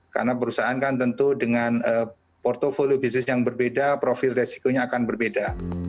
karena perusahaan kan tentu dengan portfolio bisnis yang berbeda profil risikonya akan berbeda